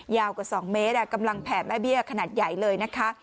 ยาวกว่า๒เมตรกำลังแผ่แม่เบี้ยขนาดใหญ่เลยนะคะ